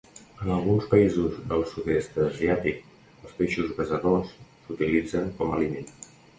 En alguns països del sud-est asiàtic els peixos besadors s'utilitzen com a aliment.